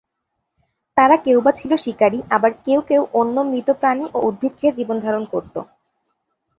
তারা কেউ বা ছিল শিকারী, আবার কেউ কেউ অন্য মৃত প্রাণী ও উদ্ভিদ খেয়ে জীবনধারণ করত।